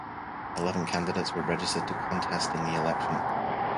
Eleven candidates were registered to contest in the election.